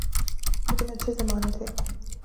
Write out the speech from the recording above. لیکن اچھے زمانے تھے۔